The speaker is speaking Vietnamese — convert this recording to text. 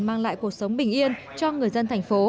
mang lại cuộc sống bình yên cho người dân tp